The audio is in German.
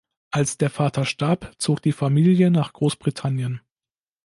Als der Vater starb, zog die Familie nach Großbritannien.